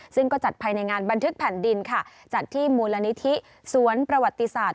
ซึ่งก็จัดภายในงานบันทึกแผ่นดินค่ะจัดที่มูลนิธิสวนประวัติศาสต